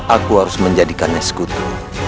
aku harus menjadikannya sekutu